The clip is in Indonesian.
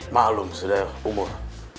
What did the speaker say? maklum sudah umur